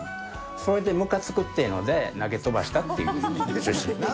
それでむかつくっていうので、投げ飛ばしたっていう。